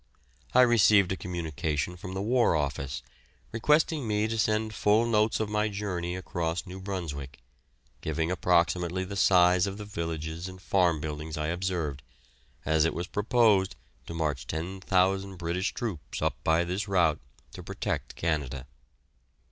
I received a communication from the War Office, requesting me to send full notes of my journey across New Brunswick, giving approximately the size of the villages and farm buildings I observed, as it was proposed to march 10,000 British troops up by this route to protect Canada.